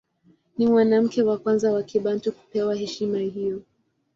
Ni mwanamke wa kwanza wa Kibantu kupewa heshima hiyo.